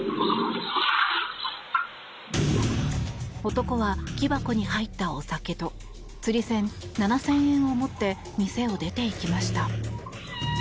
男は木箱に入ったお酒と釣り銭７０００円を持って店を出て行きました。